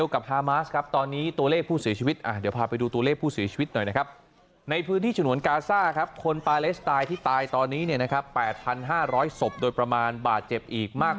คนปร์เลสตายที่ตายตอนนี้๘๕๐๐สพโดยประมาณบาทเจ็บอีก